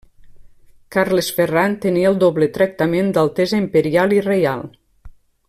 Carles Ferran tenia el doble tractament d'altesa imperial i reial.